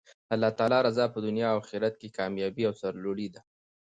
د الله تعالی رضاء په دنیا او اخرت کښي کاميابي او سر لوړي ده.